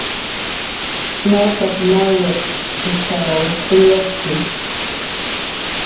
"Markat"" mayuq ishkasw ch'uyatxi, akishq ish umnushuwa, ustataykushtuwa"